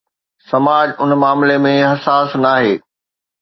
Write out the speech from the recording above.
سماج ان معاملي ۾ حساس ناهي.